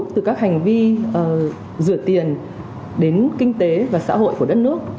từ các hành vi rửa tiền đến kinh tế và xã hội của đất nước